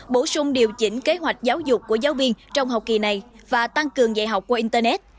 bổ sung điều chỉnh kế hoạch giáo dục của giáo viên trong học kỳ này và tăng cường dạy học qua internet